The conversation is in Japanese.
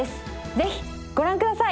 ぜひご覧ください